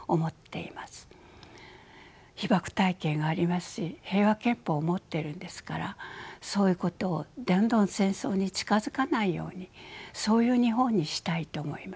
被爆体験ありますし平和憲法を持ってるんですからそういうことをどんどん戦争に近づかないようにそういう日本にしたいと思います。